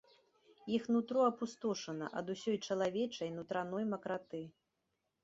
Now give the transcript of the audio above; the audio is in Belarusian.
Іх нутро апустошана ад усёй чалавечай нутраной макраты.